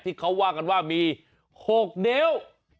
ที่เขาว่ากันว่ามี๖นิ้ว